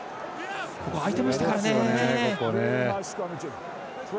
空いてましたからね。